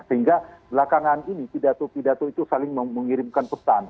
sehingga belakangan ini pidato pidato itu saling mengirimkan pesan